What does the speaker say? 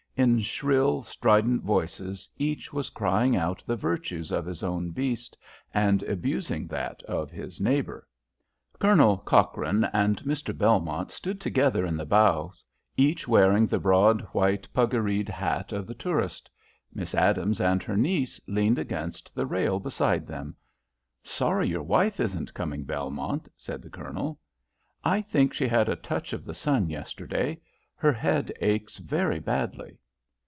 In shrill, strident voices each was crying out the virtues of his own beast, and abusing that of his neighbour. Colonel Cochrane and Mr. Belmont stood together in the bows, each wearing the broad white puggareed hat of the tourist. Miss Adams and her niece leaned against the rail beside them. "Sorry your wife isn't coming, Belmont," said the Colonel. "I think she had a touch of the sun yesterday. Her head aches very badly."